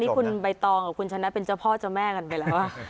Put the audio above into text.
ตอนนี้คุณใบตองคุณชนะเป็นเจ้าพ่อเจ้าแม่กันไปแล้วครับ